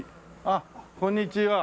あっこんにちは。